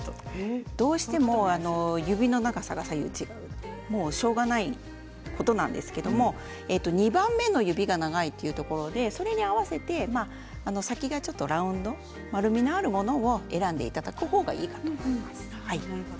どうしても指の長さが左右違うのはしょうがないことなんですけれども２番目の指が長いということでそれに合わせて先がちょっとラウンド丸みのあるものを選んでいただく方がいいと思います。